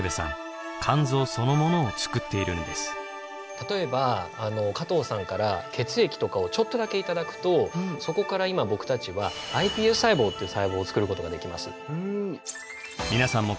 例えば加藤さんから血液とかをちょっとだけ頂くとそこから今僕たちはｉＰＳ細胞っていう細胞を作ることができます。